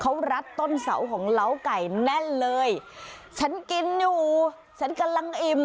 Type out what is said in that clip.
เขารัดต้นเสาของเล้าไก่แน่นเลยฉันกินอยู่ฉันกำลังอิ่ม